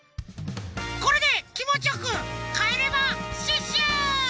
これできもちよくかえれまシュッシュ！